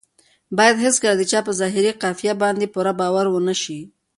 باید هېڅکله د چا په ظاهري قیافه باندې پوره باور ونه شي.